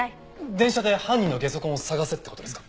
電車で犯人のゲソ痕を捜せって事ですか？